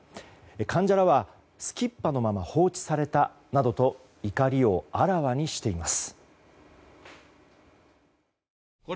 患者らはすきっ歯のまま放置されたなどと怒りをあらわにしています。